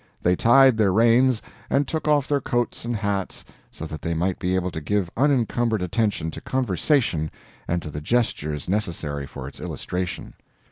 They tied their reins, and took off their coats and hats, so that they might be able to give unencumbered attention to conversation and to the gestures necessary for its illustration.